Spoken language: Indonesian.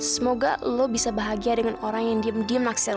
semoga lo bisa bahagia dengan orang yang diem diem naksir lo